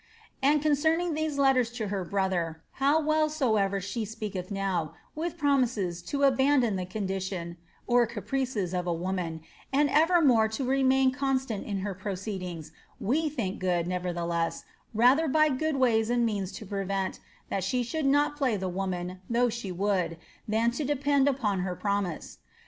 " And concerning these letters to her broihei how well soever she speaketh now, with promises, to abandi liiium ( rapricea) of a woman, and evermore to remain cons^ proceedings, we think good, nevertheless, wtlier by good ways uiettiis lo prevent, that she should not play the woman (though «wuld)i than lo depend upon her promise.